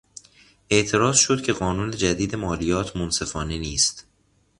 اعتراض شد که قانون جدید مالیات منصفانه نیست.